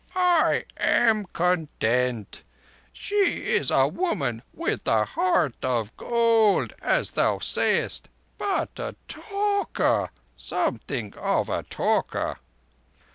"I am content. She is a woman with a heart of gold, as thou sayest, but a talker—something of a talker."